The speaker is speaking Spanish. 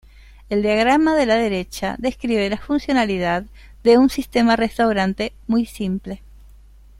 El diagrama de la derecha describe la funcionalidad de un "Sistema Restaurante" muy simple.